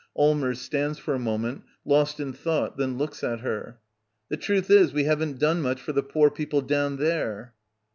Allmers. [Stands for a moment, lost in thought; then looks at her.] The truth is, we haven't done much for the poor people down there.